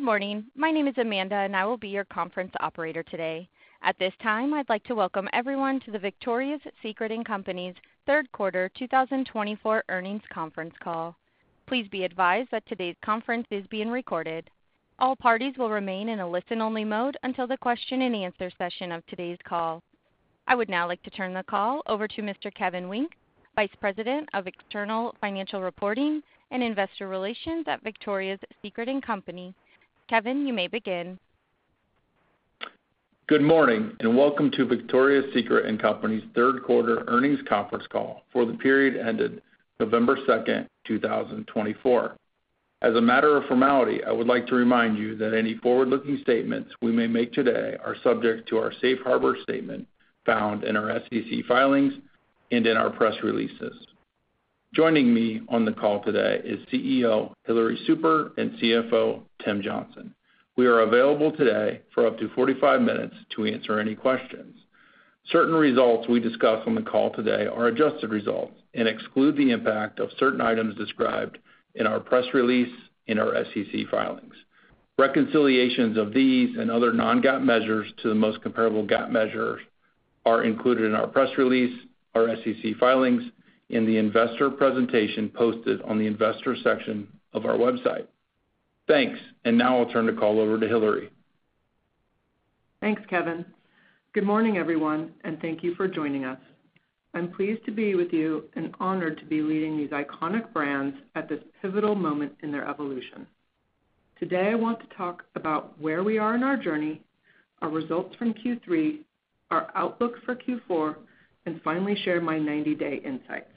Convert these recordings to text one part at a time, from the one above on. Good morning. My name is Amanda, and I will be your conference operator today. At this time, I'd like to welcome everyone to the Victoria's Secret & Co.'s third quarter 2024 earnings conference call. Please be advised that today's conference is being recorded. All parties will remain in a listen-only mode until the question-and-answer session of today's call. I would now like to turn the call over to Mr. Kevin Wynk, Vice President of External Financial Reporting and Investor Relations at Victoria's Secret & Co. Kevin, you may begin. Good morning and welcome to Victoria's Secret & Co.'s third quarter earnings conference call for the period ended November 2nd, 2024. As a matter of formality, I would like to remind you that any forward-looking statements we may make today are subject to our safe harbor statement found in our SEC filings and in our press releases. Joining me on the call today is CEO Hillary Super and CFO Tim Johnson. We are available today for up to 45 minutes to answer any questions. Certain results we discuss on the call today are adjusted results and exclude the impact of certain items described in our press release and our SEC filings. Reconciliations of these and other non-GAAP measures to the most comparable GAAP measures are included in our press release, our SEC filings, and the investor presentation posted on the investor section of our website. Thanks. Now I'll turn the call over to Hillary. Thanks, Kevin. Good morning, everyone, and thank you for joining us. I'm pleased to be with you and honored to be leading these iconic brands at this pivotal moment in their evolution. Today, I want to talk about where we are in our journey, our results from Q3, our outlook for Q4, and finally share my 90-day insights.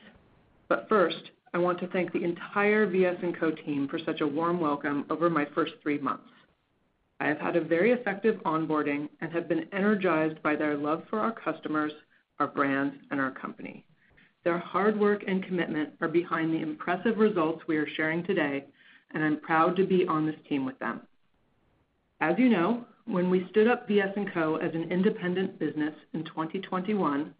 But first, I want to thank the entire VS&CO team for such a warm welcome over my first three months. I have had a very effective onboarding and have been energized by their love for our customers, our brands, and our company. Their hard work and commitment are behind the impressive results we are sharing today, and I'm proud to be on this team with them. As you know, when we stood up VS&CO as an independent business in 2021,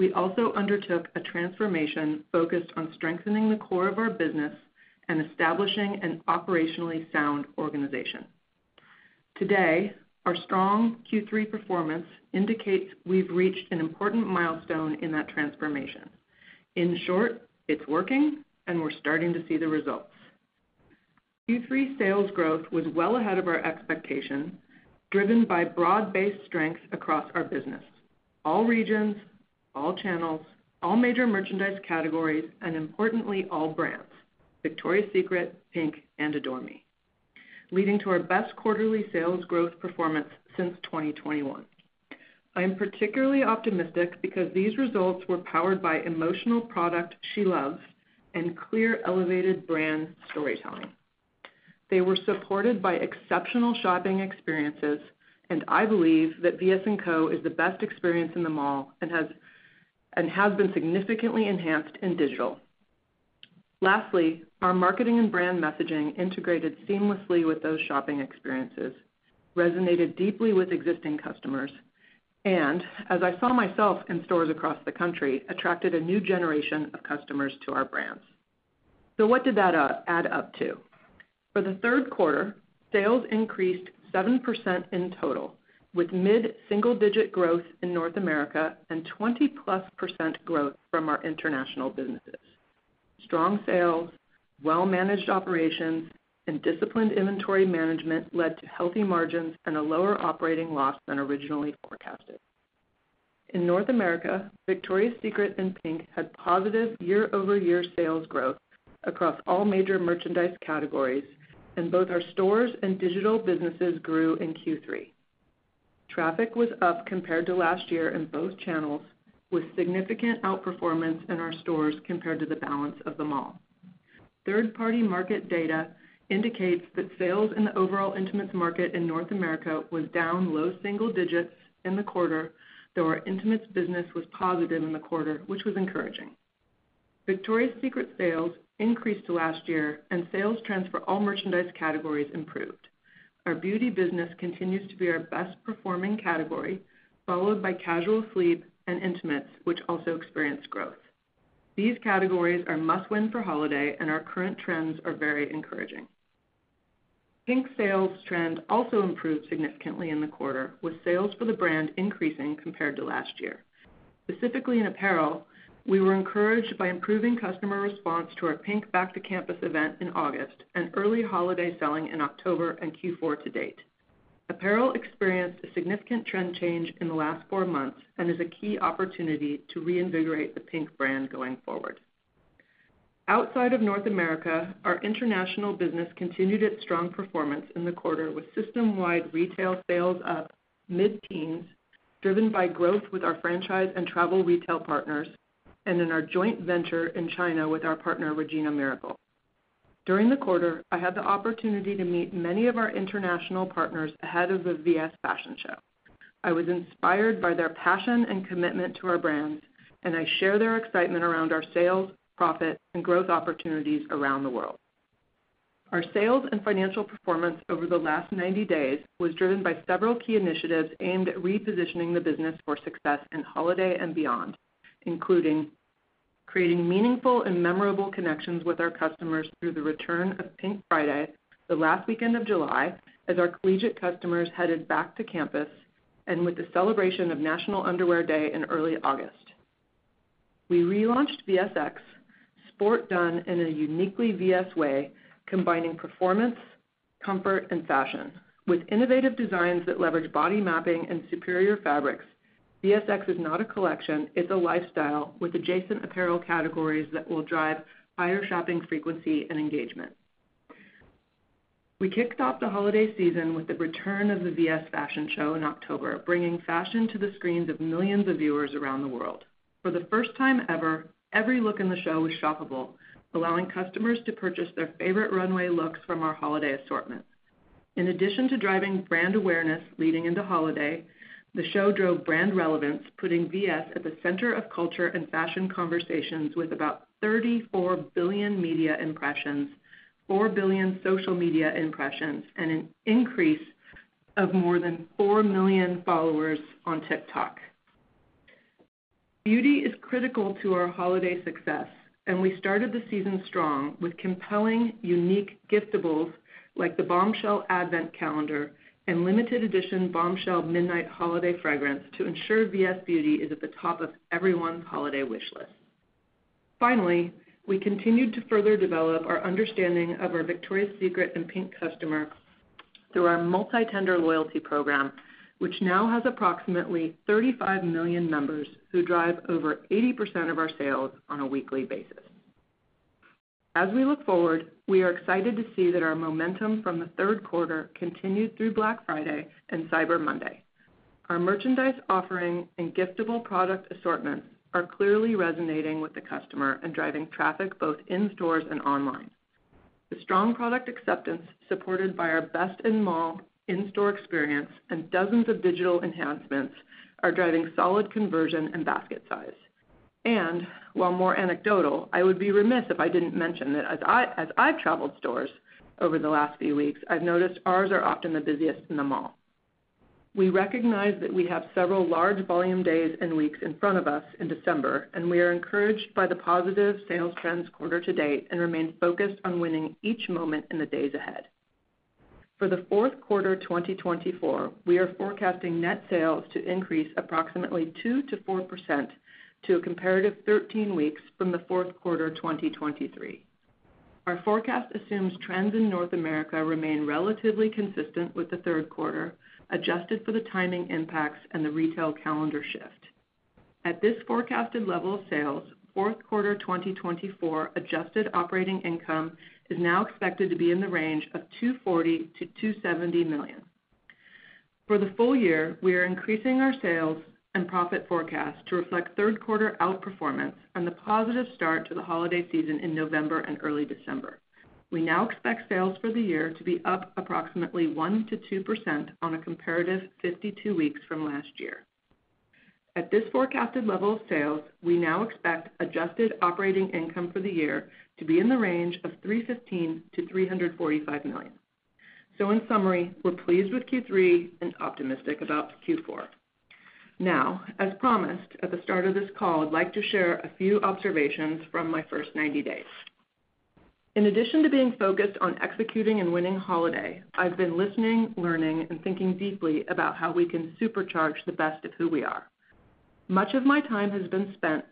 we also undertook a transformation focused on strengthening the core of our business and establishing an operationally sound organization. Today, our strong Q3 performance indicates we've reached an important milestone in that transformation. In short, it's working, and we're starting to see the results. Q3 sales growth was well ahead of our expectation, driven by broad-based strengths across our business: all regions, all channels, all major merchandise categories, and importantly, all brands, Victoria's Secret, PINK, and Adore Me, leading to our best quarterly sales growth performance since 2021. I'm particularly optimistic because these results were powered by emotional product she loves and clear, elevated brand storytelling. They were supported by exceptional shopping experiences, and I believe that VS&CO is the best experience in them all and has been significantly enhanced in digital. Lastly, our marketing and brand messaging integrated seamlessly with those shopping experiences, resonated deeply with existing customers, and, as I saw myself in stores across the country, attracted a new generation of customers to our brands. So what did that add up to? For the third quarter, sales increased 7% in total, with mid-single-digit growth in North America and 20-plus% growth from our international businesses. Strong sales, well-managed operations, and disciplined inventory management led to healthy margins and a lower operating loss than originally forecasted. In North America, Victoria's Secret and PINK had positive year-over-year sales growth across all major merchandise categories, and both our stores and digital businesses grew in Q3. Traffic was up compared to last year in both channels, with significant outperformance in our stores compared to the balance of them all. Third-party market data indicates that sales in the overall intimates market in North America was down low single digits in the quarter, though our intimates business was positive in the quarter, which was encouraging. Victoria's Secret sales increased last year, and sales trends for all merchandise categories improved. Our beauty business continues to be our best-performing category, followed by casual sleep and intimates, which also experienced growth. These categories are must-win for holiday, and our current trends are very encouraging. PINK sales trend also improved significantly in the quarter, with sales for the brand increasing compared to last year. Specifically in apparel, we were encouraged by improving customer response to our PINK Back to Campus event in August and early holiday selling in October and Q4 to date. Apparel experienced a significant trend change in the last four months and is a key opportunity to reinvigorate the PINK brand going forward. Outside of North America, our international business continued its strong performance in the quarter, with system-wide retail sales up mid-teens, driven by growth with our franchise and travel retail partners, and in our joint venture in China with our partner, Regina Miracle. During the quarter, I had the opportunity to meet many of our international partners ahead of the VS Fashion Show. I was inspired by their passion and commitment to our brands, and I share their excitement around our sales, profit, and growth opportunities around the world. Our sales and financial performance over the last 90 days was driven by several key initiatives aimed at repositioning the business for success in holiday and beyond, including creating meaningful and memorable connections with our customers through the return of PINK Friday, the last weekend of July, as our collegiate customers headed back to campus and with the celebration of National Underwear Day in early August. We relaunched VSX, sport done in a uniquely VS way, combining performance, comfort, and fashion with innovative designs that leverage body mapping and superior fabrics. VSX is not a collection. It's a lifestyle with adjacent apparel categories that will drive higher shopping frequency and engagement. We kicked off the holiday season with the return of the VS Fashion Show in October, bringing fashion to the screens of millions of viewers around the world. For the first time ever, every look in the show was shoppable, allowing customers to purchase their favorite runway looks from our holiday assortments. In addition to driving brand awareness leading into holiday, the show drove brand relevance, putting VS at the center of culture and fashion conversations with about 34 billion media impressions, four billion social media impressions, and an increase of more than four million followers on TikTok. Beauty is critical to our holiday success, and we started the season strong with compelling, unique giftables like the Bombshell Advent Calendar and limited-edition Bombshell Midnight Holiday Fragrance to ensure VS Beauty is at the top of everyone's holiday wish list. Finally, we continued to further develop our understanding of our Victoria's Secret and PINK customer through our multi-tender loyalty program, which now has approximately 35 million members who drive over 80% of our sales on a weekly basis. As we look forward, we are excited to see that our momentum from the third quarter continued through Black Friday and Cyber Monday. Our merchandise offering and giftable product assortments are clearly resonating with the customer and driving traffic both in stores and online. The strong product acceptance, supported by our best-in-the-mall in-store experience and dozens of digital enhancements, are driving solid conversion and basket size. And while more anecdotal, I would be remiss if I didn't mention that as I've traveled stores over the last few weeks, I've noticed ours are often the busiest in the mall. We recognize that we have several large volume days and weeks in front of us in December, and we are encouraged by the positive sales trends quarter to date and remain focused on winning each moment in the days ahead. For the fourth quarter 2024, we are forecasting net sales to increase approximately 2%-4% to a comparative 13 weeks from the fourth quarter 2023. Our forecast assumes trends in North America remain relatively consistent with the third quarter, adjusted for the timing impacts and the retail calendar shift. At this forecasted level of sales, fourth quarter 2024 adjusted operating income is now expected to be in the range of $240 million-$270 million. For the full year, we are increasing our sales and profit forecast to reflect third quarter outperformance and the positive start to the holiday season in November and early December. We now expect sales for the year to be up approximately 1%-2% on a comparative 52 weeks from last year. At this forecasted level of sales, we now expect adjusted operating income for the year to be in the range of $315 million-$345 million. So in summary, we're pleased with Q3 and optimistic about Q4. Now, as promised at the start of this call, I'd like to share a few observations from my first 90 days. In addition to being focused on executing and winning holiday, I've been listening, learning, and thinking deeply about how we can supercharge the best of who we are. Much of my time has been spent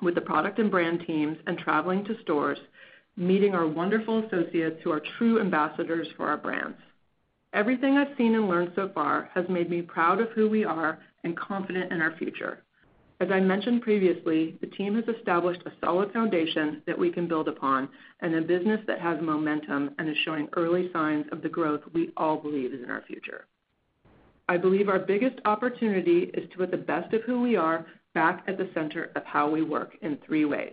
with the product and brand teams and traveling to stores, meeting our wonderful associates who are true ambassadors for our brands. Everything I've seen and learned so far has made me proud of who we are and confident in our future. As I mentioned previously, the team has established a solid foundation that we can build upon and a business that has momentum and is showing early signs of the growth we all believe is in our future. I believe our biggest opportunity is to put the best of who we are back at the center of how we work in three ways.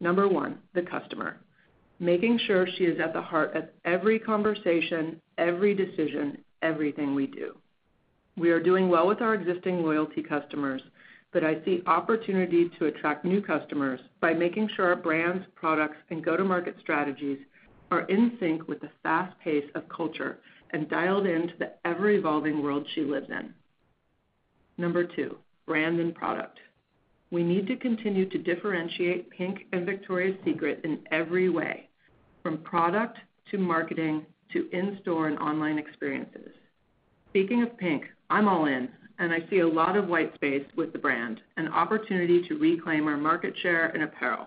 Number one, the customer, making sure she is at the heart of every conversation, every decision, everything we do. We are doing well with our existing loyalty customers, but I see opportunity to attract new customers by making sure our brands, products, and go-to-market strategies are in sync with the fast pace of culture and dialed into the ever-evolving world she lives in. Number two, brand and product. We need to continue to differentiate PINK and Victoria's Secret in every way, from product to marketing to in-store and online experiences. Speaking of PINK, I'm all in, and I see a lot of white space with the brand and opportunity to reclaim our market share in apparel.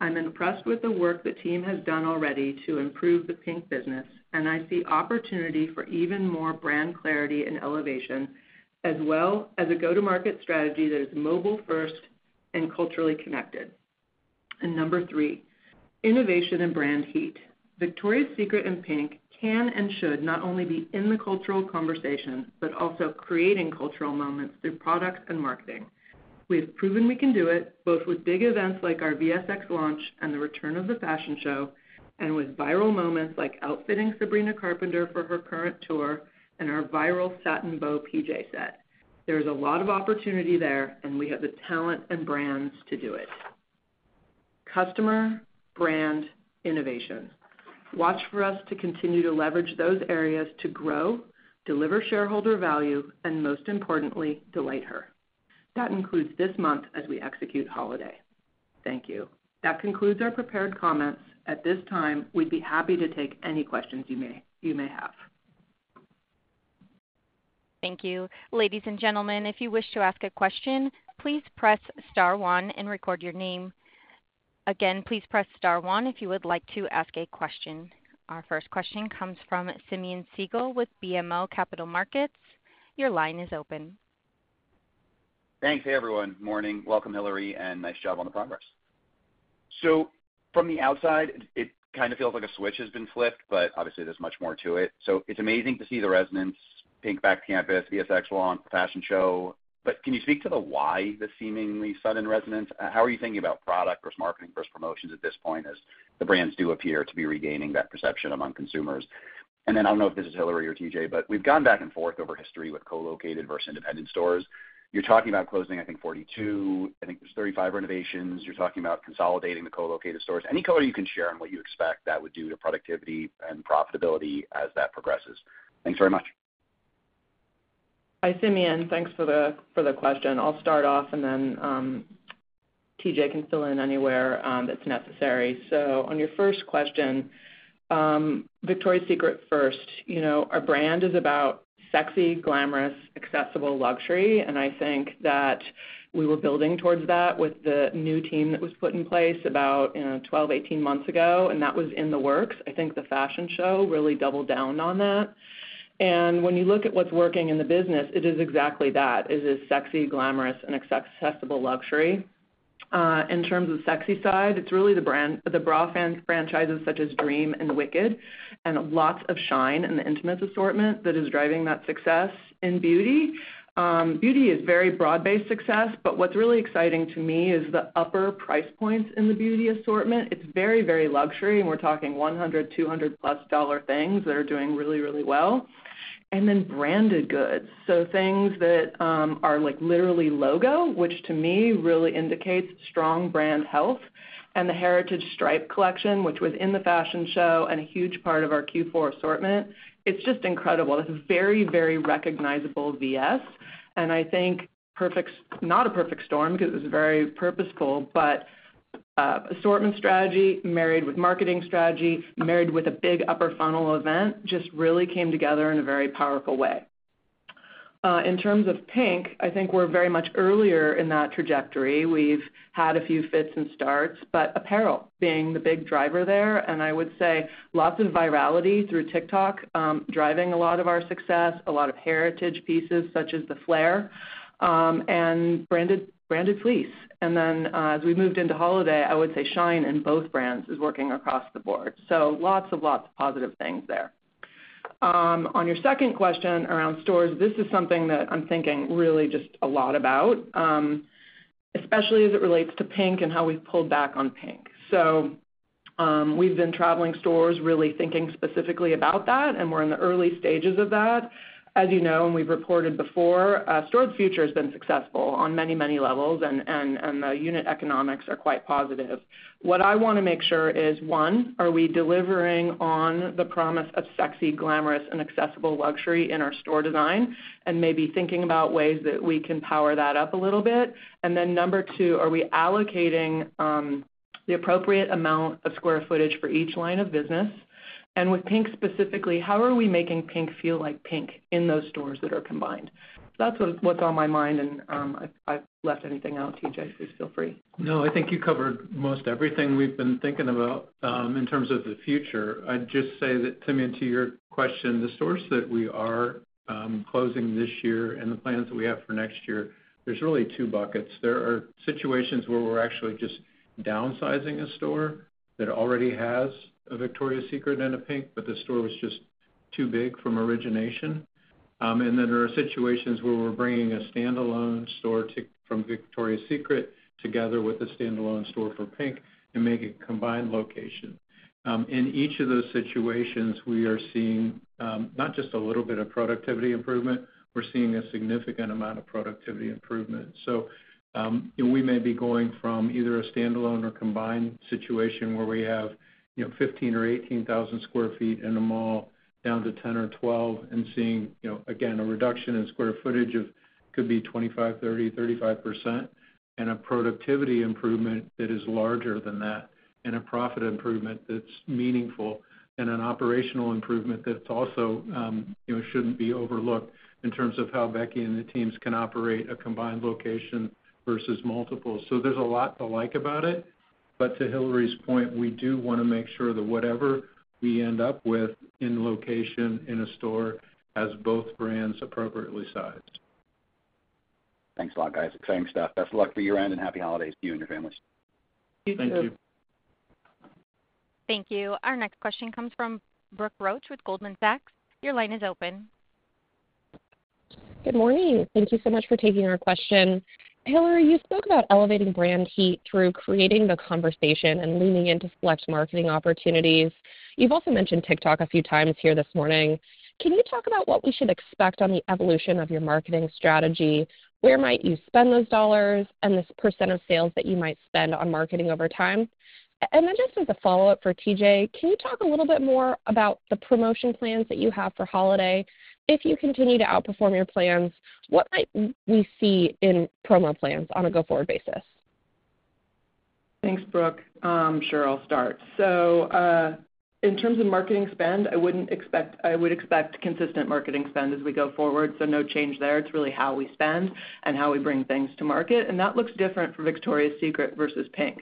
I'm impressed with the work the team has done already to improve the PINK business, and I see opportunity for even more brand clarity and elevation, as well as a go-to-market strategy that is mobile-first and culturally connected. And number three, innovation and brand heat. Victoria's Secret and PINK can and should not only be in the cultural conversation, but also creating cultural moments through products and marketing. We have proven we can do it both with big events like our VSX launch and the return of the fashion show, and with viral moments like outfitting Sabrina Carpenter for her current tour and our viral satin bow PJ set. There is a lot of opportunity there, and we have the talent and brands to do it. Customer, brand, innovation. Watch for us to continue to leverage those areas to grow, deliver shareholder value, and most importantly, delight her. That includes this month as we execute holiday. Thank you. That concludes our prepared comments. At this time, we'd be happy to take any questions you may have. Thank you. Ladies and gentlemen, if you wish to ask a question, please press star one and record your name. Again, please press star one if you would like to ask a question. Our first question comes from Simeon Siegel with BMO Capital Markets. Your line is open. Thanks. Hey, everyone. Morning. Welcome, Hillary, and nice job on the progress, so from the outside, it kind of feels like a switch has been flipped, but obviously there's much more to it, so it's amazing to see the resonance, PINK Back to Campus, VSX launch, fashion show, but can you speak to the why the seemingly sudden resonance? How are you thinking about product versus marketing versus promotions at this point as the brands do appear to be regaining that perception among consumers? And then I don't know if this is Hillary or TJ, but we've gone back and forth over history with co-located versus independent stores. You're talking about closing, I think, 42. I think there's 35 renovations. You're talking about consolidating the co-located stores. Any color you can share on what you expect that would do to productivity and profitability as that progresses? Thanks very much. Hi, Simeon. Thanks for the question. I'll start off, and then TJ can fill in anywhere that's necessary. So on your first question, Victoria's Secret first, our brand is about sexy, glamorous, accessible luxury, and I think that we were building towards that with the new team that was put in place about 12, 18 months ago, and that was in the works. I think the fashion show really doubled down on that. And when you look at what's working in the business, it is exactly that. It is sexy, glamorous, and accessible luxury. In terms of the sexy side, it's really the bra franchises such as Dream and Wicked and lots of shine in the intimates assortment that is driving that success in beauty. Beauty is very broad-based success, but what's really exciting to me is the upper price points in the beauty assortment. It's very, very luxury, and we're talking $100, $200+ dollar things that are doing really, really well. And then branded goods, so things that are literally logo, which to me really indicates strong brand health, and the Heritage Stripe collection, which was in the fashion show and a huge part of our Q4 assortment. It's just incredible. It's a very, very recognizable VS, and I think not a perfect storm because it was very purposeful, but assortment strategy married with marketing strategy, married with a big upper funnel event, just really came together in a very powerful way. In terms of PINK, I think we're very much earlier in that trajectory. We've had a few fits and starts, but apparel being the big driver there, and I would say lots of virality through TikTok driving a lot of our success, a lot of heritage pieces such as the flare and branded fleece. And then as we moved into holiday, I would say shine in both brands is working across the board. So lots of positive things there. On your second question around stores, this is something that I'm thinking really just a lot about, especially as it relates to PINK and how we've pulled back on PINK. So we've been traveling stores really thinking specifically about that, and we're in the early stages of that. As you know, and we've reported before, Store of the Future has been successful on many, many levels, and the unit economics are quite positive. What I want to make sure is, one, are we delivering on the promise of sexy, glamorous, and accessible luxury in our store design, and maybe thinking about ways that we can power that up a little bit? And then number two, are we allocating the appropriate amount of square footage for each line of business? And with PINK specifically, how are we making PINK feel like PINK in those stores that are combined? That's what's on my mind, and I've left anything out, TJ, please feel free. No, I think you covered most everything we've been thinking about in terms of the future. I'd just say that, Simeon, to your question, the stores that we are closing this year and the plans that we have for next year, there's really two buckets. There are situations where we're actually just downsizing a store that already has a Victoria's Secret and a PINK, but the store was just too big from origination, and then there are situations where we're bringing a standalone store from Victoria's Secret together with a standalone store for PINK and make a combined location. In each of those situations, we are seeing not just a little bit of productivity improvement, we're seeing a significant amount of productivity improvement. So we may be going from either a standalone or combined situation where we have 15,000 or 18,000 sq ft in a mall down to 10,000 or 12,000 and seeing, again, a reduction in square footage of could be 25%, 30%, 35% and a productivity improvement that is larger than that and a profit improvement that's meaningful and an operational improvement that also shouldn't be overlooked in terms of how Becky and the teams can operate a combined location versus multiple. So there's a lot to like about it, but to Hillary's point, we do want to make sure that whatever we end up with in location in a store has both brands appropriately sized. Thanks a lot, guys. Exciting stuff. Best of luck for year-end and happy holidays to you and your families. Thank you. Thank you. Our next question comes from Brooke Roach with Goldman Sachs. Your line is open. Good morning. Thank you so much for taking our question. Hillary, you spoke about elevating brand heat through creating the conversation and leaning into select marketing opportunities. You've also mentioned TikTok a few times here this morning. Can you talk about what we should expect on the evolution of your marketing strategy? Where might you spend those dollars and this percent of sales that you might spend on marketing over time? And then just as a follow-up for TJ, can you talk a little bit more about the promotion plans that you have for holiday? If you continue to outperform your plans, what might we see in promo plans on a go-forward basis? Thanks, Brooke. I'm sure I'll start. So in terms of marketing spend, I would expect consistent marketing spend as we go forward, so no change there. It's really how we spend and how we bring things to market, and that looks different for Victoria's Secret versus PINK.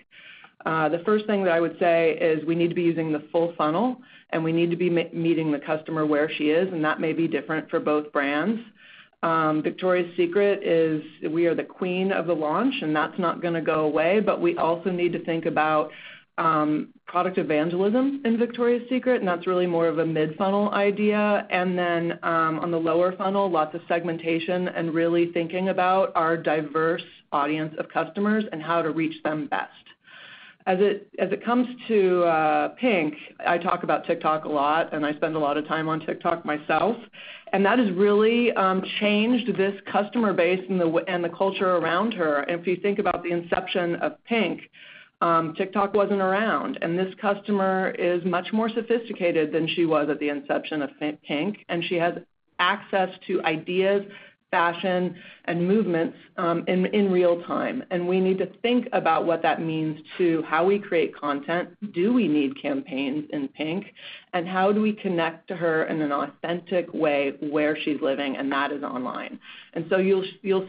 The first thing that I would say is we need to be using the full funnel, and we need to be meeting the customer where she is, and that may be different for both brands. Victoria's Secret is we are the queen of the launch, and that's not going to go away, but we also need to think about product evangelism in Victoria's Secret, and that's really more of a mid-funnel idea, and then on the lower funnel, lots of segmentation and really thinking about our diverse audience of customers and how to reach them best. As it comes to PINK, I talk about TikTok a lot, and I spend a lot of time on TikTok myself, and that has really changed this customer base and the culture around her, and if you think about the inception of PINK, TikTok wasn't around, and this customer is much more sophisticated than she was at the inception of PINK, and she has access to ideas, fashion, and movements in real time, and we need to think about what that means to how we create content. Do we need campaigns in PINK, and how do we connect to her in an authentic way where she's living, and that is online, and so you'll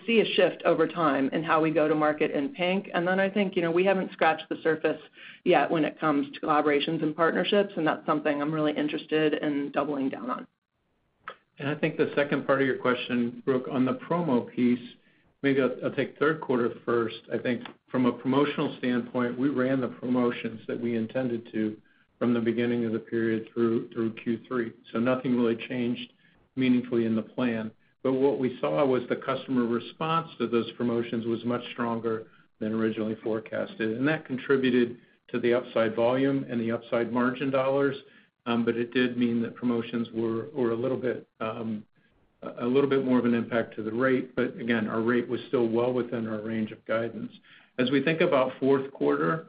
see a shift over time in how we go to market in PINK. And then I think we haven't scratched the surface yet when it comes to collaborations and partnerships, and that's something I'm really interested in doubling down on. And I think the second part of your question, Brooke, on the promo piece, maybe I'll take third quarter first. I think from a promotional standpoint, we ran the promotions that we intended to from the beginning of the period through Q3. So nothing really changed meaningfully in the plan. But what we saw was the customer response to those promotions was much stronger than originally forecasted. And that contributed to the upside volume and the upside margin dollars, but it did mean that promotions were a little bit more of an impact to the rate. But again, our rate was still well within our range of guidance. As we think about fourth quarter,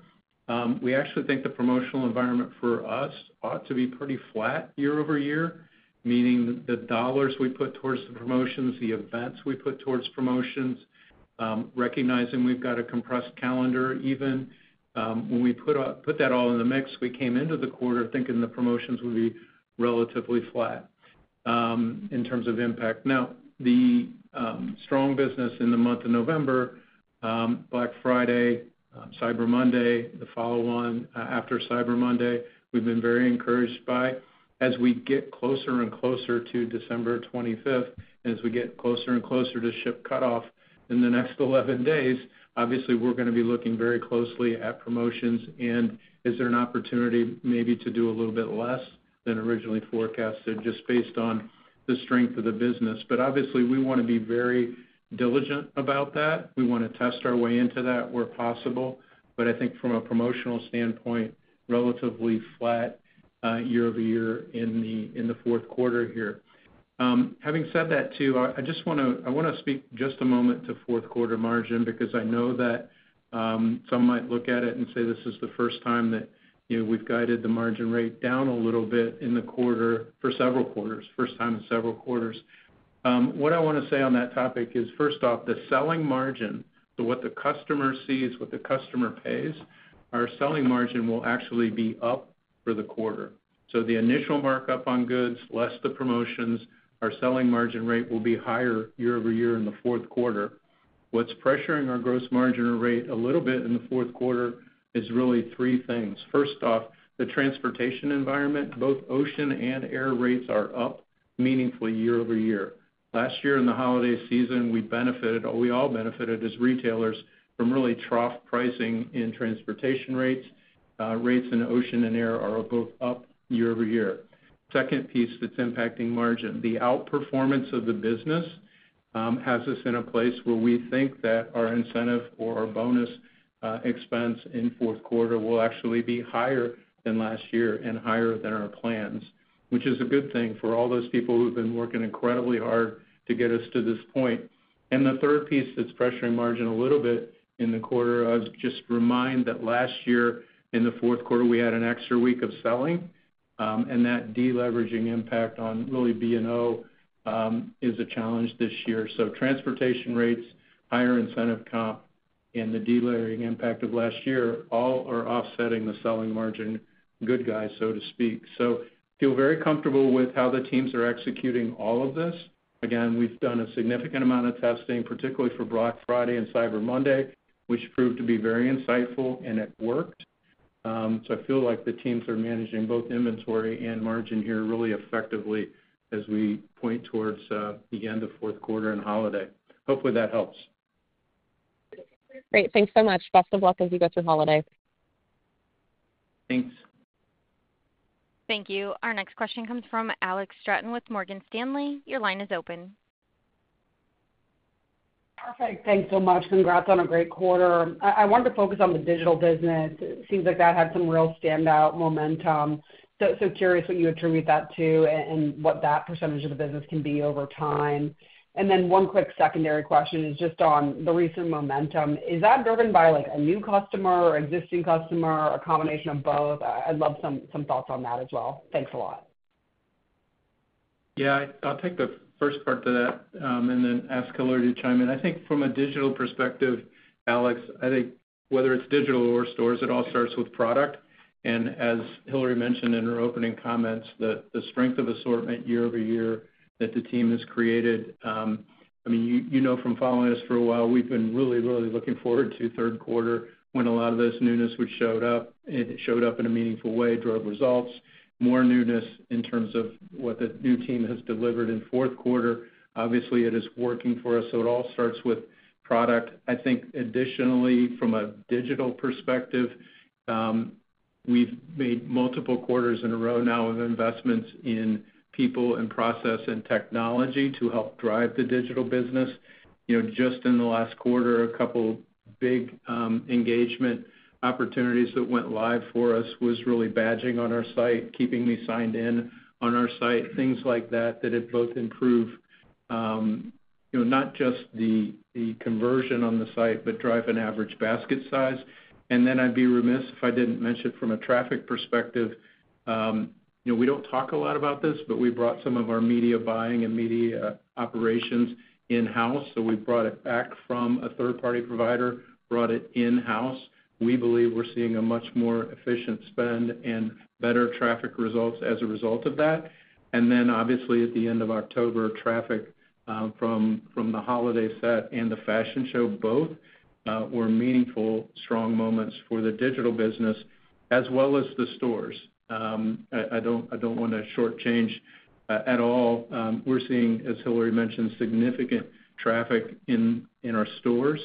we actually think the promotional environment for us ought to be pretty flat year over year, meaning the dollars we put towards the promotions, the events we put towards promotions, recognizing we've got a compressed calendar even. When we put that all in the mix, we came into the quarter thinking the promotions would be relatively flat in terms of impact. Now, the strong business in the month of November, Black Friday, Cyber Monday, the follow-on after Cyber Monday, we've been very encouraged by. As we get closer and closer to December 25th and as we get closer and closer to ship cutoff in the next 11 days, obviously we're going to be looking very closely at promotions and is there an opportunity maybe to do a little bit less than originally forecasted just based on the strength of the business. But obviously we want to be very diligent about that. We want to test our way into that where possible, but I think from a promotional standpoint, relatively flat year over year in the fourth quarter here. Having said that too, I want to speak just a moment to fourth quarter margin because I know that some might look at it and say this is the first time that we've guided the margin rate down a little bit in the quarter for several quarters, first time in several quarters. What I want to say on that topic is, first off, the selling margin, so what the customer sees, what the customer pays, our selling margin will actually be up for the quarter. So the initial markup on goods, less the promotions, our selling margin rate will be higher year over year in the fourth quarter. What's pressuring our gross margin rate a little bit in the fourth quarter is really three things. First off, the transportation environment, both ocean and air rates are up meaningfully year over year. Last year in the holiday season, we benefited, or we all benefited as retailers from really trough pricing in transportation rates. Rates in ocean and air are both up year over year. Second piece that's impacting margin, the outperformance of the business has us in a place where we think that our incentive or our bonus expense in fourth quarter will actually be higher than last year and higher than our plans, which is a good thing for all those people who've been working incredibly hard to get us to this point. And the third piece that's pressuring margin a little bit in the quarter, I just remind that last year in the fourth quarter, we had an extra week of selling, and that deleveraging impact on really B&O is a challenge this year. So transportation rates, higher incentive comp, and the deleveraging impact of last year all are offsetting the selling margin, good guy, so to speak. So feel very comfortable with how the teams are executing all of this. Again, we've done a significant amount of testing, particularly for Black Friday and Cyber Monday, which proved to be very insightful, and it worked. So I feel like the teams are managing both inventory and margin here really effectively as we point towards the end of fourth quarter and holiday. Hopefully that helps. Great. Thanks so much. Best of luck as you go through holiday. Thanks. Thank you. Our next question comes from Alex Straton with Morgan Stanley. Your line is open. Perfect. Thanks so much. Congrats on a great quarter. I wanted to focus on the digital business. It seems like that had some real standout momentum. So curious what you attribute that to and what that percentage of the business can be over time. And then one quick secondary question is just on the recent momentum. Is that driven by a new customer, existing customer, or a combination of both? I'd love some thoughts on that as well. Thanks a lot. Yeah, I'll take the first part to that and then ask Hillary to chime in. I think from a digital perspective, Alex, I think whether it's digital or stores, it all starts with product. As Hillary mentioned in her opening comments, the strength of assortment year over year that the team has created, I mean, you know from following us for a while, we've been really, really looking forward to third quarter when a lot of those newness which showed up, and it showed up in a meaningful way, drove results. More newness in terms of what the new team has delivered in fourth quarter. Obviously, it is working for us, so it all starts with product. I think additionally, from a digital perspective, we've made multiple quarters in a row now of investments in people and process and technology to help drive the digital business. Just in the last quarter, a couple big engagement opportunities that went live for us was really badging on our site, keeping me signed in on our site, things like that that have both improved not just the conversion on the site, but drive an average basket size. And then I'd be remiss if I didn't mention from a traffic perspective, we don't talk a lot about this, but we brought some of our media buying and media operations in-house, so we brought it back from a third-party provider, brought it in-house. We believe we're seeing a much more efficient spend and better traffic results as a result of that. And then obviously at the end of October, traffic from the holiday set and the fashion show both were meaningful, strong moments for the digital business as well as the stores. I don't want to shortchange at all. We're seeing, as Hillary mentioned, significant traffic in our stores.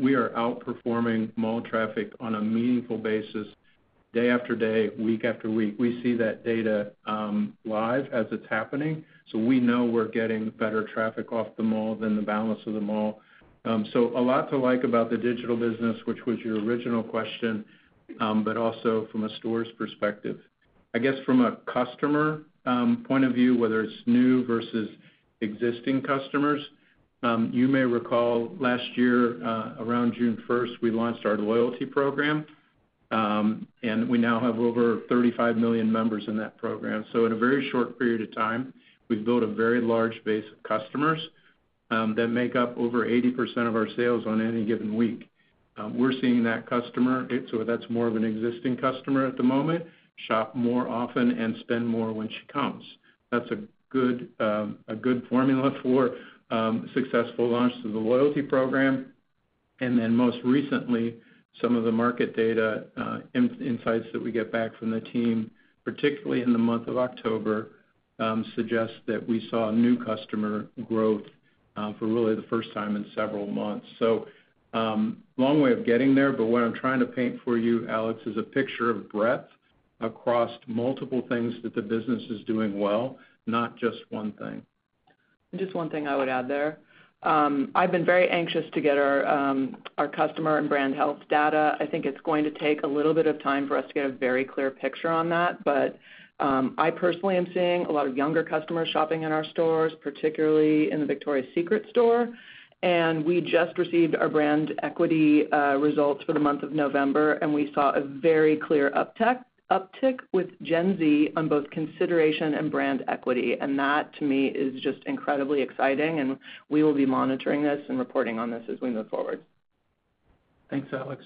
We are outperforming mall traffic on a meaningful basis, day after day, week after week. We see that data live as it's happening, so we know we're getting better traffic off the mall than the balance of the mall. So a lot to like about the digital business, which was your original question, but also from a store's perspective. I guess from a customer point of view, whether it's new versus existing customers, you may recall last year around June 1st, we launched our loyalty program, and we now have over 35 million members in that program. So in a very short period of time, we've built a very large base of customers that make up over 80% of our sales on any given week. We're seeing that customer, so that's more of an existing customer at the moment, shop more often and spend more when she comes. That's a good formula for successful launch to the loyalty program. And then most recently, some of the market data insights that we get back from the team, particularly in the month of October, suggests that we saw new customer growth for really the first time in several months. So long way of getting there, but what I'm trying to paint for you, Alex, is a picture of breadth across multiple things that the business is doing well, not just one thing. Just one thing I would add there. I've been very anxious to get our customer and brand health data. I think it's going to take a little bit of time for us to get a very clear picture on that, but I personally am seeing a lot of younger customers shopping in our stores, particularly in the Victoria's Secret store, and we just received our brand equity results for the month of November, and we saw a very clear uptick with Gen Z on both consideration and brand equity, and that, to me, is just incredibly exciting, and we will be monitoring this and reporting on this as we move forward. Thanks, Alex.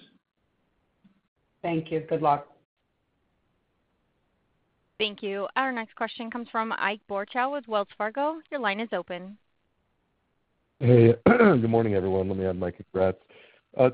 Thank you. Good luck. Thank you. Our next question comes fromIke Boruchow with Wells Fargo. Your line is open. Hey. Good morning, everyone. Let me add my congrats.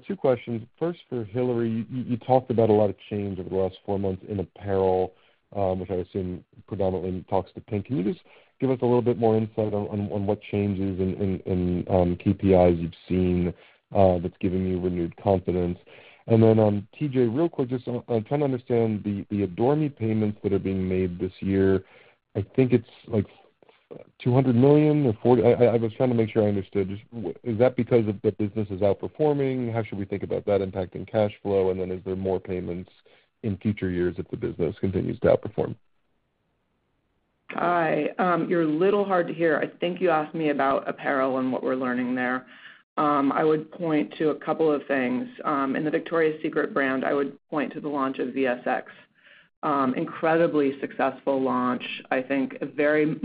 Two questions. First, for Hillary, you talked about a lot of change over the last four months in apparel, which I assume predominantly talks to PINK. Can you just give us a little bit more insight on what changes and KPIs you've seen that's giving you renewed confidence? And then TJ, real quick, just trying to understand the Adore Me payments that are being made this year. I think it's like $200 million or $40 million. I was trying to make sure I understood. Is that because the business is outperforming? How should we think about that impacting cash flow? And then is there more payments in future years if the business continues to outperform? Hi. You're a little hard to hear. I think you asked me about apparel and what we're learning there. I would point to a couple of things. In the Victoria's Secret brand, I would point to the launch of VSX. Incredibly successful launch, I think. A very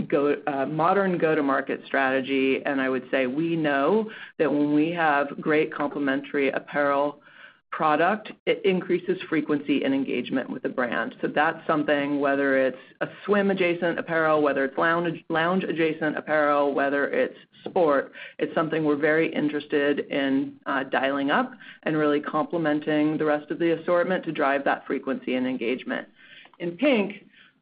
modern go-to-market strategy, and I would say we know that when we have great complementary apparel product, it increases frequency and engagement with the brand. So that's something, whether it's a swim-adjacent apparel, whether it's lounge-adjacent apparel, whether it's sport, it's something we're very interested in dialing up and really complementing the rest of the assortment to drive that frequency and engagement. In PINK,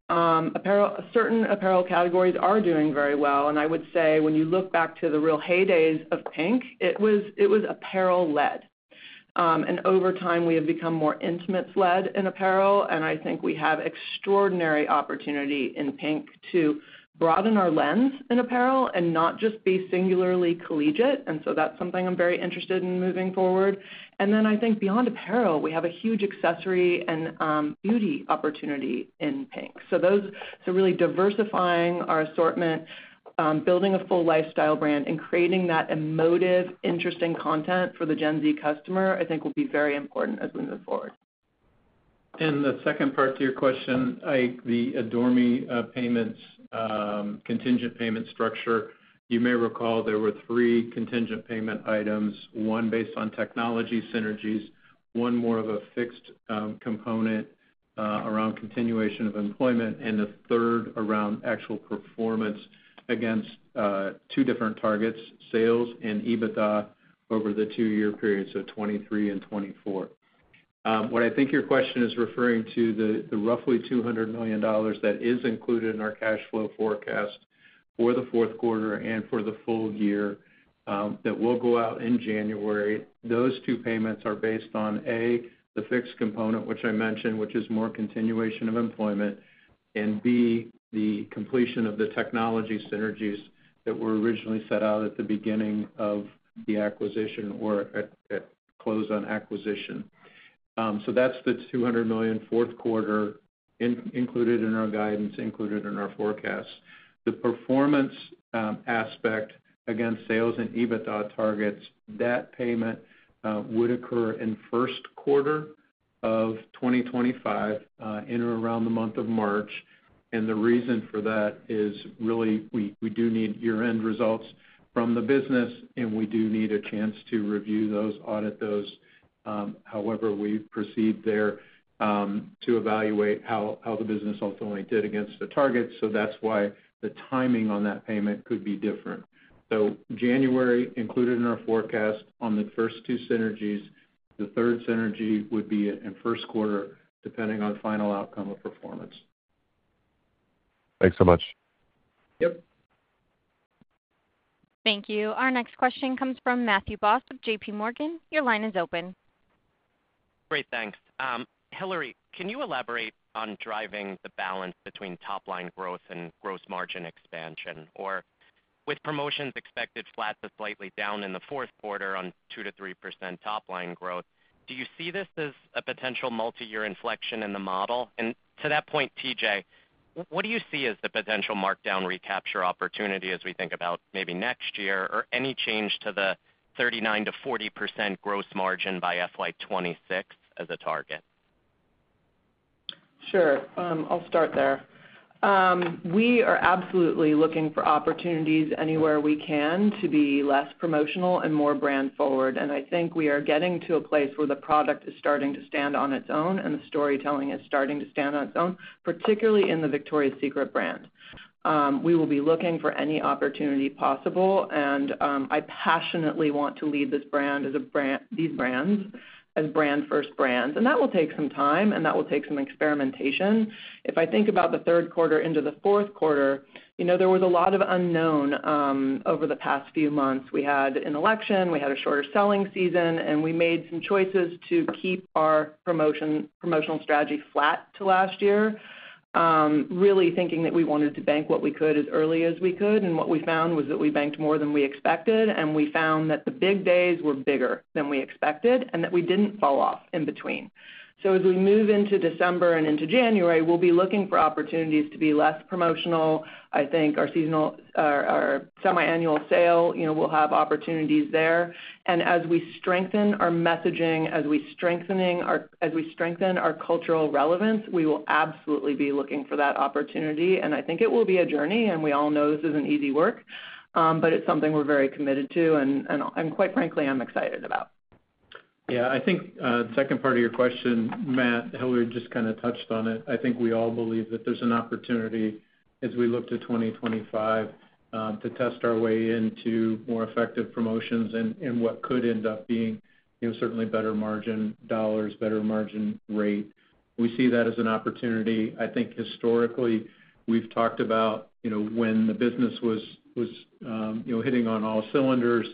certain apparel categories are doing very well. And I would say when you look back to the real heydays of PINK, it was apparel-led. And over time, we have become more intimate-led in apparel, and I think we have extraordinary opportunity in PINK to broaden our lens in apparel and not just be singularly collegiate. And then I think beyond apparel, we have a huge accessory and beauty opportunity in PINK. So really diversifying our assortment, building a full lifestyle brand, and creating that emotive, interesting content for the Gen Z customer, I think will be very important as we move forward. And the second part to your question, Ike, the Adore Me payments, contingent payment structure, you may recall there were three contingent payment items, one based on technology synergies, one more of a fixed component around continuation of employment, and the third around actual performance against two different targets, sales and EBITDA over the two-year period, so 2023 and 2024. What I think your question is referring to, the roughly $200 million that is included in our cash flow forecast for the fourth quarter and for the full year that will go out in January, those two payments are based on A, the fixed component, which I mentioned, which is more continuation of employment, and B, the completion of the technology synergies that were originally set out at the beginning of the acquisition or at close on acquisition. So that's the $200 million fourth quarter included in our guidance, included in our forecast. The performance aspect against sales and EBITDA targets, that payment would occur in first quarter of 2025 in or around the month of March. The reason for that is really we do need year-end results from the business, and we do need a chance to review those, audit those, however we proceed there to evaluate how the business ultimately did against the targets. So that's why the timing on that payment could be different. So January included in our forecast on the first two synergies. The third synergy would be in first quarter, depending on final outcome of performance. Thanks so much. Yep. Thank you. Our next question comes from Matthew Boss of JPMorgan. Your line is open. Great. Thanks. Hillary, can you elaborate on driving the balance between top-line growth and gross margin expansion? Or with promotions expected flat to slightly down in the fourth quarter on 2% to 3% top-line growth, do you see this as a potential multi-year inflection in the model? And to that point, TJ, what do you see as the potential markdown recapture opportunity as we think about maybe next year or any change to the 39%-40% gross margin by FY26 as a target? Sure. I'll start there. We are absolutely looking for opportunities anywhere we can to be less promotional and more brand forward. And I think we are getting to a place where the product is starting to stand on its own and the storytelling is starting to stand on its own, particularly in the Victoria's Secret brand. We will be looking for any opportunity possible, and I passionately want to lead this brand as these brands as brand-first brands. And that will take some time, and that will take some experimentation. If I think about the third quarter into the fourth quarter, there was a lot of unknown over the past few months. We had an election, we had a shorter selling season, and we made some choices to keep our promotional strategy flat to last year, really thinking that we wanted to bank what we could as early as we could. And what we found was that we banked more than we expected, and we found that the big days were bigger than we expected and that we didn't fall off in between. So as we move into December and into January, we'll be looking for opportunities to be less promotional. I think our semi-annual sale will have opportunities there. And as we strengthen our messaging, as we strengthen our cultural relevance, we will absolutely be looking for that opportunity. And I think it will be a journey, and we all know this isn't easy work, but it's something we're very committed to and quite frankly, I'm excited about. Yeah. I think the second part of your question, Matt, Hillary just kind of touched on it. I think we all believe that there's an opportunity, as we look to 2025, to test our way into more effective promotions and what could end up being certainly better margin dollars, better margin rate. We see that as an opportunity. I think historically, we've talked about when the business was hitting on all cylinders,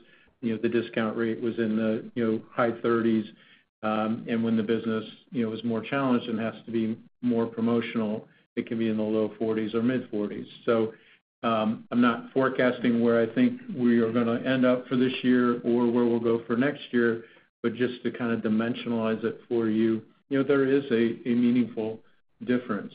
the discount rate was in the high 30s%, and when the business was more challenged and has to be more promotional, it can be in the low 40s% or mid-40s%. So I'm not forecasting where I think we are going to end up for this year or where we'll go for next year, but just to kind of dimensionalize it for you, there is a meaningful difference.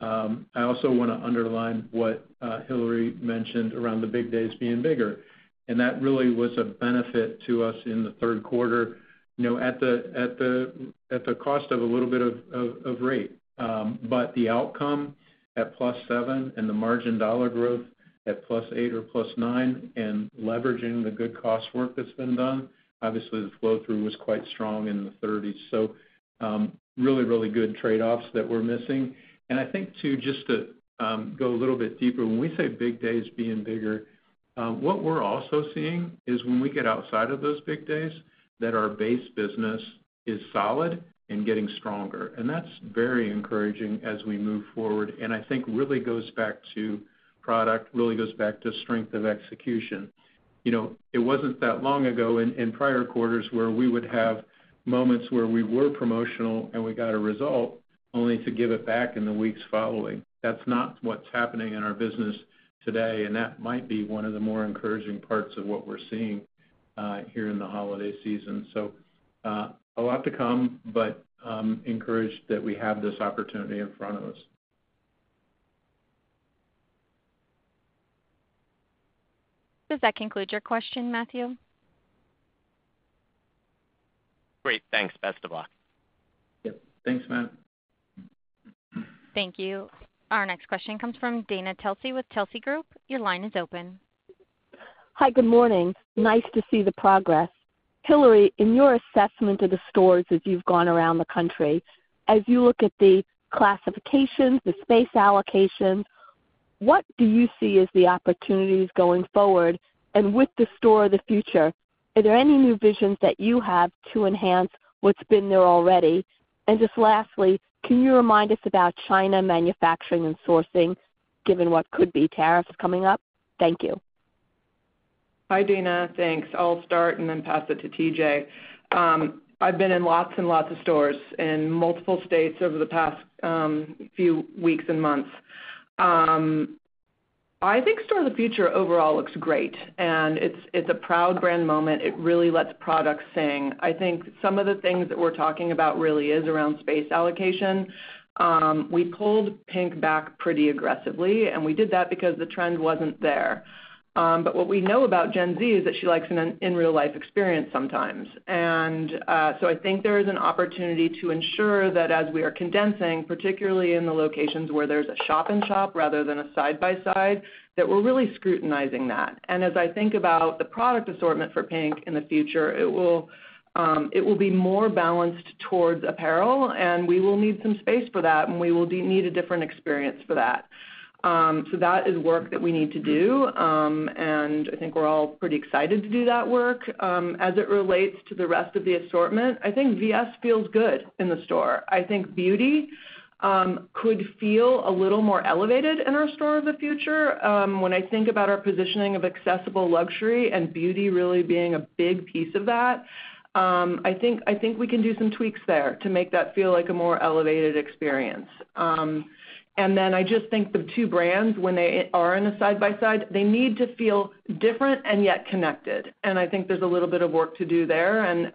I also want to underline what Hillary mentioned around the big days being bigger, and that really was a benefit to us in the third quarter at the cost of a little bit of rate, but the outcome at plus 7 and the margin dollar growth at plus 8 or plus 9 and leveraging the good cost work that's been done, obviously the flow-through was quite strong in the 30s, so really, really good trade-offs that we're missing, and I think too just to go a little bit deeper, when we say big days being bigger, what we're also seeing is when we get outside of those big days that our base business is solid and getting stronger, and that's very encouraging as we move forward, and I think really goes back to product, really goes back to strength of execution. It wasn't that long ago in prior quarters where we would have moments where we were promotional and we got a result only to give it back in the weeks following. That's not what's happening in our business today, and that might be one of the more encouraging parts of what we're seeing here in the holiday season. So a lot to come, but encouraged that we have this opportunity in front of us. Does that conclude your question, Matthew? Great. Thanks. Best of luck. Yep. Thanks, Matt. Thank you. Our next question comes from Dana Telsey with Telsey Advisory Group. Your line is open. Hi. Good morning. Nice to see the progress. Hillary, in your assessment of the stores as you've gone around the country, as you look at the classifications, the space allocations, what do you see as the opportunities going forward? And with the Store of the Future, are there any new visions that you have to enhance what's been there already? And just lastly, can you remind us about China manufacturing and sourcing, given what could be tariffs coming up? Thank you. Hi, Dana. Thanks. I'll start and then pass it to TJ. I've been in lots and lots of stores in multiple states over the past few weeks and months. I think Store of the Future overall looks great, and it's a proud brand moment. It really lets products sing. I think some of the things that we're talking about really is around space allocation. We pulled PINK back pretty aggressively, and we did that because the trend wasn't there. But what we know about Gen Z is that she likes an in-real-life experience sometimes. And so I think there is an opportunity to ensure that as we are condensing, particularly in the locations where there's a shop-and-shop rather than a side-by-side, that we're really scrutinizing that. And as I think about the product assortment for PINK in the future, it will be more balanced towards apparel, and we will need some space for that, and we will need a different experience for that. So that is work that we need to do, and I think we're all pretty excited to do that work. As it relates to the rest of the assortment, I think VS feels good in the store. I think beauty could feel a little more elevated in our Store of the Future. When I think about our positioning of accessible luxury and beauty really being a big piece of that, I think we can do some tweaks there to make that feel like a more elevated experience, and then I just think the two brands, when they are in a side-by-side, they need to feel different and yet connected, and I think there's a little bit of work to do there, and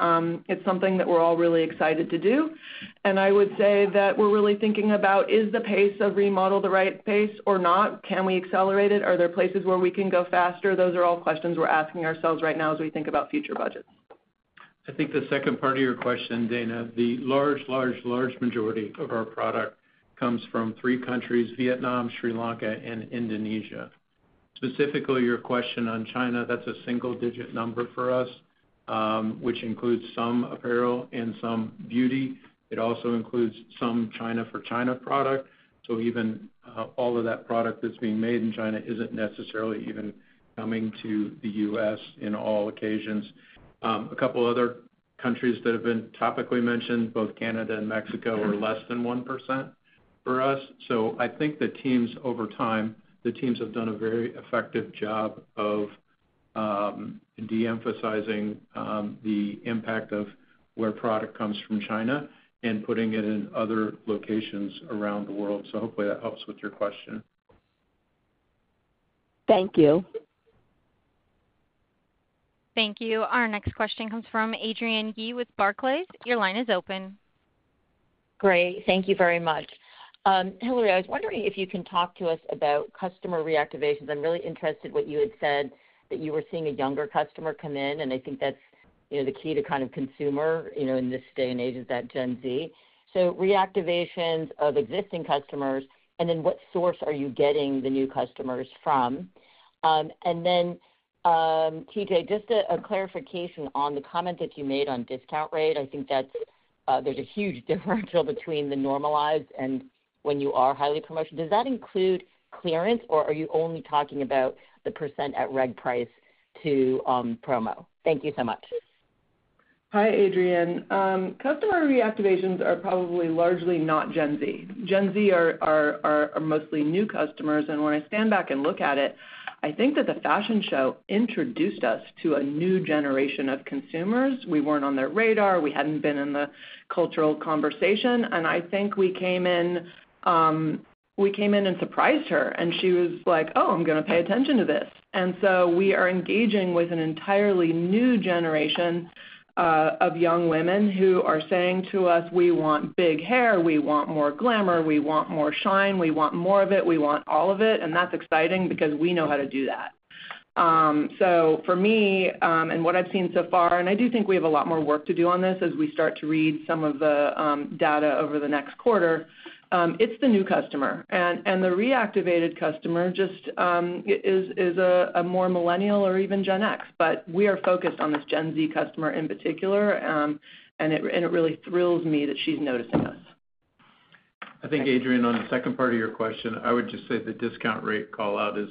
it's something that we're all really excited to do, and I would say that we're really thinking about, is the pace of remodel the right pace or not? Can we accelerate it? Are there places where we can go faster? Those are all questions we're asking ourselves right now as we think about future budgets. I think the second part of your question, Dana, the large, large, large majority of our product comes from three countries: Vietnam, Sri Lanka, and Indonesia. Specifically, your question on China, that's a single-digit number for us, which includes some apparel and some beauty. It also includes some China-for-China product. So even all of that product that's being made in China isn't necessarily even coming to the U.S. in all occasions. A couple of other countries that have been topically mentioned, both Canada and Mexico, are less than 1% for us. So I think the teams, over time, the teams have done a very effective job of de-emphasizing the impact of where product comes from China and putting it in other locations around the world. So hopefully that helps with your question. Thank you. Thank you. Our next question comes from Adrienne Yih with Barclays. Your line is open. Great. Thank you very much. Hillary, I was wondering if you can talk to us about customer reactivations. I'm really interested in what you had said that you were seeing a younger customer come in, and I think that's the key to kind of consumer in this day and age is that Gen Z. So reactivations of existing customers, and then what source are you getting the new customers from? And then, TJ, just a clarification on the comment that you made on discount rate. I think there's a huge differential between the normalized and when you are highly promotional. Does that include clearance, or are you only talking about the % at reg price to promo? Thank you so much. Hi, Adrienne. Customer reactivations are probably largely not Gen Z. Gen Z are mostly new customers. When I stand back and look at it, I think that the fashion show introduced us to a new generation of consumers. We weren't on their radar. We hadn't been in the cultural conversation. I think we came in and surprised her, and she was like, "Oh, I'm going to pay attention to this." We are engaging with an entirely new generation of young women who are saying to us, "We want big hair. We want more glamour. We want more shine. We want more of it. We want all of it." That's exciting because we know how to do that. For me, and what I've seen so far, and I do think we have a lot more work to do on this as we start to read some of the data over the next quarter, it's the new customer. The reactivated customer just is a more millennial or even Gen X, but we are focused on this Gen Z customer in particular, and it really thrills me that she's noticing us. I think, Adrienne, on the second part of your question, I would just say the discount rate callout is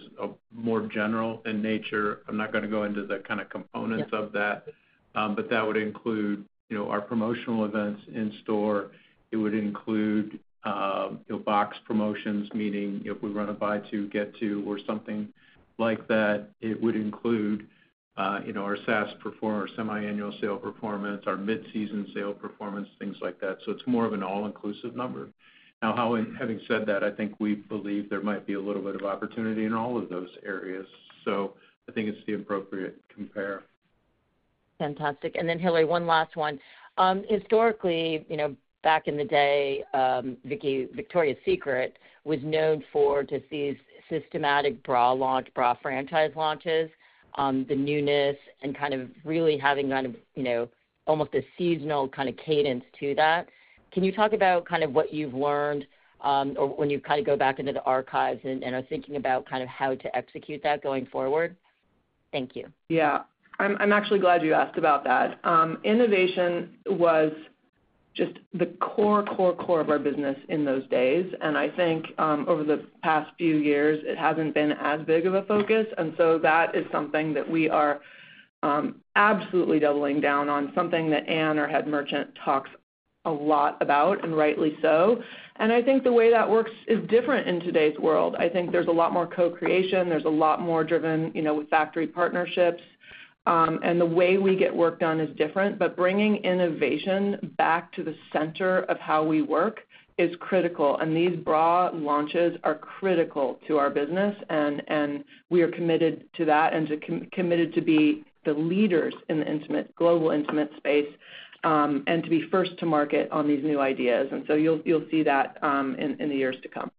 more general in nature. I'm not going to go into the kind of components of that, but that would include our promotional events in store. It would include box promotions, meaning if we run a buy-2, get-to, or something like that, it would include our SaaS performance, our semi-annual sale performance, our mid-season sale performance, things like that. So it's more of an all-inclusive number. Now, having said that, I think we believe there might be a little bit of opportunity in all of those areas. So I think it's the appropriate compare. Fantastic. And then, Hillary, one last one. Historically, back in the day, Victoria's Secret was known for just these systematic bra launch, bra franchise launches, the newness, and kind of really having kind of almost a seasonal kind of cadence to that. Can you talk about kind of what you've learned or when you kind of go back into the archives and are thinking about kind of how to execute that going forward? Thank you. Yeah. I'm actually glad you asked about that. Innovation was just the core, core, core of our business in those days. And I think over the past few years, it hasn't been as big of a focus. And so that is something that we are absolutely doubling down on, something that Anne, our Head Merchant, talks a lot about, and rightly so. And I think the way that works is different in today's world. I think there's a lot more co-creation. There's a lot more driven factory partnerships. And the way we get work done is different. But bringing innovation back to the center of how we work is critical. And these bra launches are critical to our business, and we are committed to that and committed to be the leaders in the global intimate space and to be first to market on these new ideas. And so you'll see that in the years to come.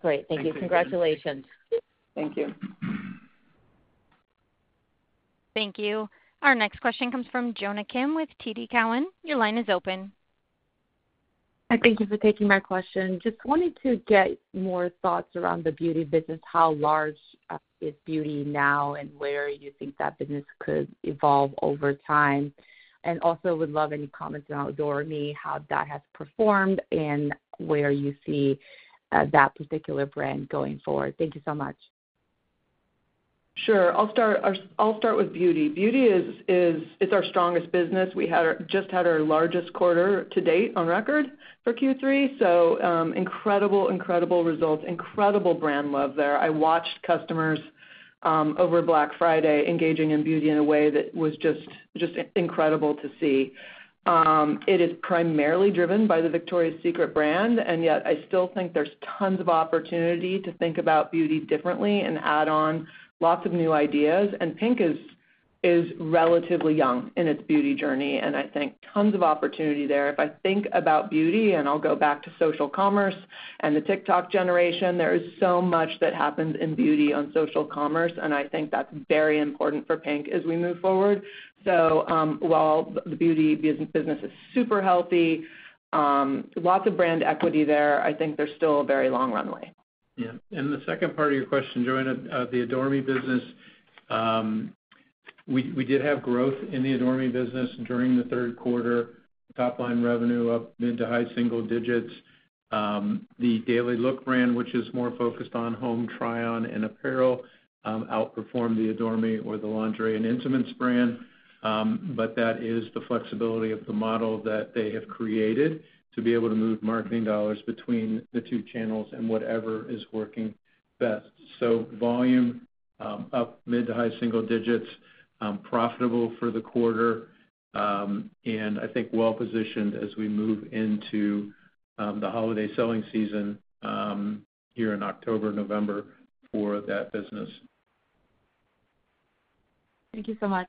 Great. Thank you. Congratulations. Thank you. Thank you. Our next question comes from Jonna Kim with TD Cowen. Your line is open. Hi. Thank you for taking my question. Just wanted to get more thoughts around the beauty business, how large is beauty now and where you think that business could evolve over time. And also, would love any comments on Adore Me, how that has performed and where you see that particular brand going forward. Thank you so much. Sure. I'll start with beauty. Beauty is our strongest business. We just had our largest quarter to date on record for Q3. So incredible, incredible results, incredible brand love there. I watched customers over Black Friday engaging in beauty in a way that was just incredible to see. It is primarily driven by the Victoria's Secret brand, and yet I still think there's tons of opportunity to think about beauty differently and add on lots of new ideas. And PINK is relatively young in its beauty journey, and I think tons of opportunity there. If I think about beauty, and I'll go back to social commerce and the TikTok generation, there is so much that happens in beauty on social commerce, and I think that's very important for PINK as we move forward. While the beauty business is super healthy, lots of brand equity there, I think there's still a very long runway. Yeah. The second part of your question, Jonna, the Adore Me business, we did have growth in the Adore Me business during the third quarter. Top-line revenue up mid to high single digits. The Daily Look brand, which is more focused on home try-on and apparel, outperformed the Adore Me or the lingerie and intimates brand. That is the flexibility of the model that they have created to be able to move marketing dollars between the two channels and whatever is working best. So volume up mid- to high-single digits, profitable for the quarter, and I think well-positioned as we move into the holiday selling season here in October, November for that business. Thank you so much.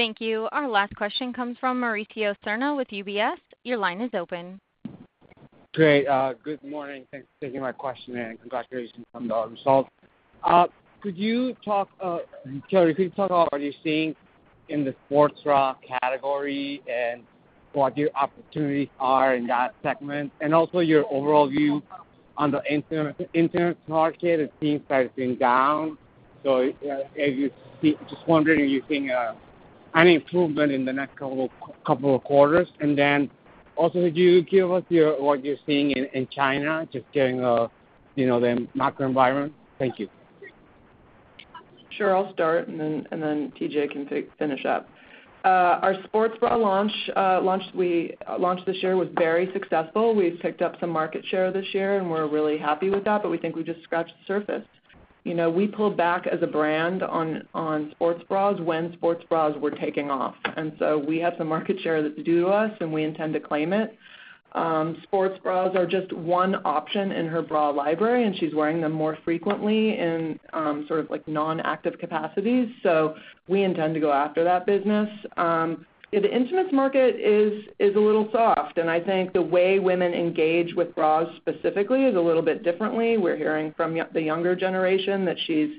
Yep. Thank you. Our last question comes from Mauricio Serna with UBS. Your line is open. Great. Good morning. Thanks for taking my question, and congratulations on the results. Could you talk, Jonna, could you talk about what you're seeing in the sports bra category and what your opportunities are in that segment? And also your overall view on the intimates market. It seems that it's been down. So just wondering if you're seeing any improvement in the next couple of quarters. And then also, could you give us what you're seeing in China, just given the macro environment? Thank you. Sure. I'll start, and then TJ can finish up. Our sports bra launch this year was very successful. We've picked up some market share this year, and we're really happy with that, but we think we just scratched the surface. We pulled back as a brand on sports bras when sports bras were taking off. And so we have some market share that's due to us, and we intend to claim it. Sports bras are just one option in her bra library, and she's wearing them more frequently in sort of non-active capacities. So we intend to go after that business. The intimates market is a little soft, and I think the way women engage with bras specifically is a little bit differently. We're hearing from the younger generation that she's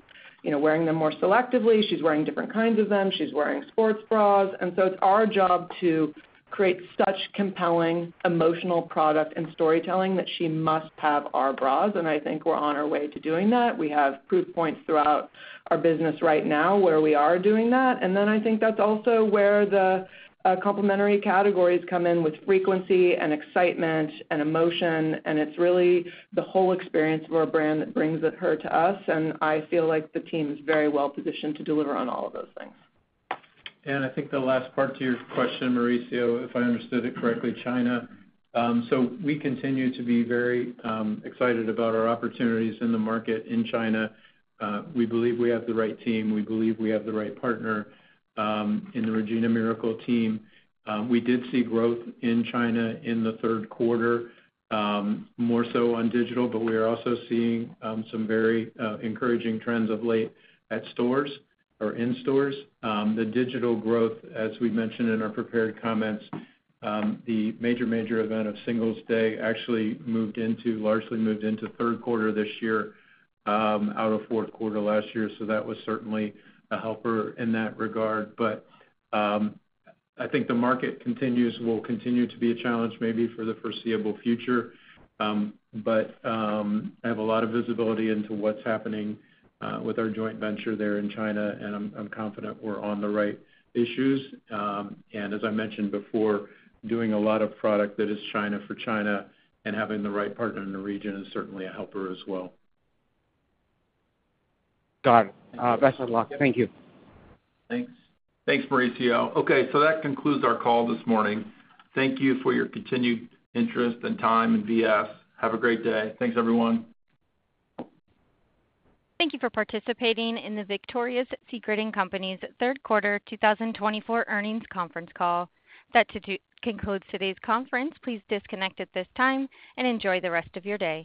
wearing them more selectively. She's wearing different kinds of them. She's wearing sports bras. And so it's our job to create such compelling emotional product and storytelling that she must have our bras. And I think we're on our way to doing that. We have proof points throughout our business right now where we are doing that. And then I think that's also where the complementary categories come in with frequency and excitement and emotion. And it's really the whole experience of our brand that brings her to us. And I feel like the team is very well-positioned to deliver on all of those things. And I think the last part to your question, Mauricio, if I understood it correctly, China. So we continue to be very excited about our opportunities in the market in China. We believe we have the right team. We believe we have the right partner in the Regina Miracle team. We did see growth in China in the third quarter, more so on digital, but we are also seeing some very encouraging trends of late at stores or in stores. The digital growth, as we mentioned in our prepared comments, the major event of Singles' Day actually moved into, largely moved into third quarter this year out of fourth quarter last year. So that was certainly a helper in that regard. But I think the market will continue to be a challenge maybe for the foreseeable future. But I have a lot of visibility into what's happening with our joint venture there in China, and I'm confident we're on the right track. And as I mentioned before, doing a lot of product that is China for China and having the right partner in the region is certainly a helper as well. Got it. Best of luck. Thank you. Thanks. Thanks, Mauricio. Okay. So that concludes our call this morning. Thank you for your continued interest in the business. Have a great day. Thanks, everyone. Thank you for participating in the Victoria's Secret & Co.'s third quarter 2024 earnings conference call. That concludes today's conference. Please disconnect at this time and enjoy the rest of your day.